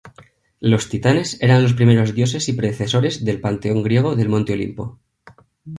Los Titanes eran los primeros dioses y predecesores del panteón griego del Monte Olimpo.